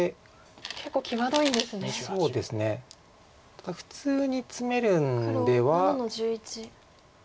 ただ普通にツメるんでは。